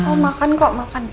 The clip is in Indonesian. oh makan kok makan